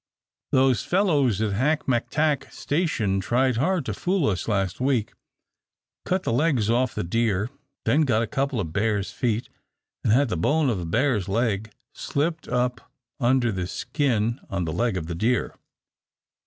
"Those fellows at Hacmactac Station tried hard to fool us last week, cut the legs off the deer, then got a couple of bears' feet and had the bone of the bear's leg slipped up under the skin on the leg of the deer.